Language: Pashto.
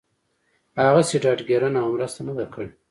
هغسې ډاډ ګيرنه او مرسته نه ده کړې